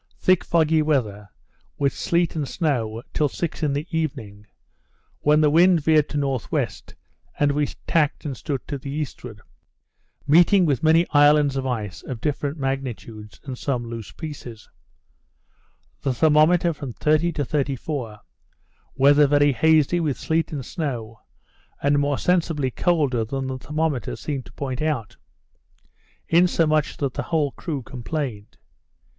thick foggy weather, with sleet and snow, till six in the evening, when the wind veered to N.W., and we tacked and stood to the eastward, meeting with many islands of ice of different magnitudes, and some loose pieces: The thermometer from 30 to 34; weather very hazy, with sleet and snow, and more sensibly colder than the thermometer seemed to point out, insomuch that the whole crew complained.